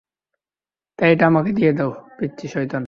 তাই, এটা আমাকে দিয়ে দাও, পিচ্চি শয়তান।